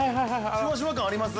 ◆シュワシュワ感あります？